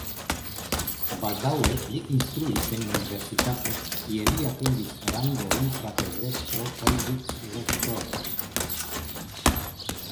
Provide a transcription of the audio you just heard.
Baldaŭe li instruis en universitato, kie li atingis rangojn katedrestro kaj vicrektoro.